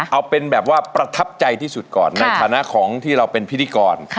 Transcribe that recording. เอาเป็นแบบว่าประทับใจที่สุดก่อนในฐานะของที่เราเป็นพิธีกร